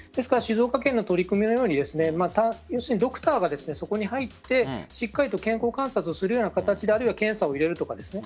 静岡県の取り組みのようにドクターがそこに入ってしっかりと健康観察をするような形であれば検査を入れるとか。